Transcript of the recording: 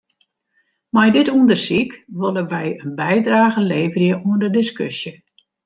Mei dit ûndersyk wolle wy in bydrage leverje oan de diskusje.